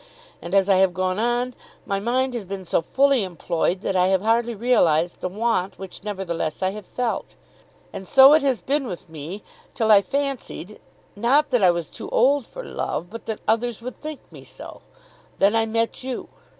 And, as I have gone on, my mind has been so fully employed, that I have hardly realised the want which nevertheless I have felt. And so it has been with me till I fancied, not that I was too old for love, but that others would think me so. Then I met you.